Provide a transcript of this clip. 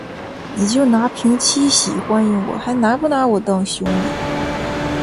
你就拿瓶七喜欢迎我，还拿不拿我当兄弟